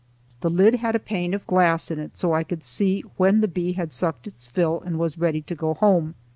The lid had a pane of glass in it so I could see when the bee had sucked its fill and was ready to go home.